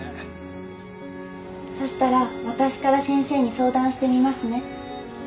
そしたら私から先生に相談してみますね。